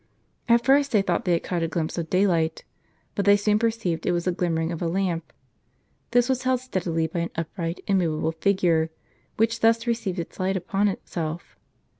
At first they thought they had caught a glimpse of daylight ; but they soon perceived it was the glim mering of a lamp. This was held steadily by an upright, immovable figure, which thus received its light upon itself.